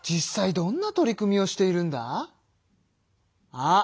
あっ！